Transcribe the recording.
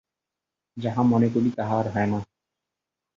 যাহা মনে করি তাহা আর হয় না।